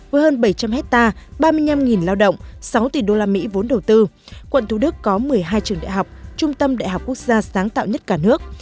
với hơn bảy trăm linh hectare ba mươi năm lao động sáu tỷ usd vốn đầu tư quận thủ đức có một mươi hai trường đại học trung tâm đại học quốc gia sáng tạo nhất cả nước